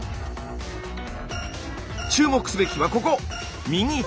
注目すべきはここ！